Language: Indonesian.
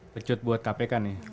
pecut buat kpk nih